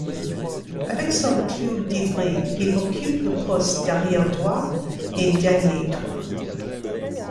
Avec son club d'Ivry, il occupe le poste d'arrière droit et d'ailier droit.